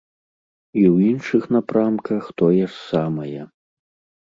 І ў іншых напрамках тое ж самае.